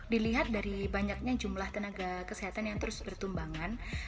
dilihat dari banyaknya jumlah tenaga kesehatan yang terus bertumbangan